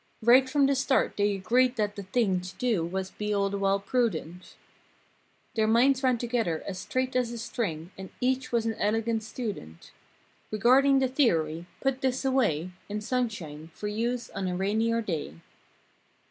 Right from the start they agreed that the thing To do was be all the while prudent. Their minds ran together as straight as a string; And each was an elegant student Regarding the theory—"Put this away, In sunshine, for use on a rainier day."